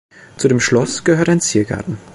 Zu dem Schloss gehört ein Ziergarten.